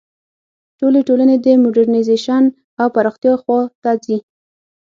ټولې ټولنې د موډرنیزېشن او پراختیا خوا ته ځي.